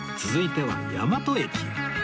続いては大和駅へ